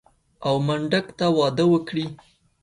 او منډک ته واده وکړي.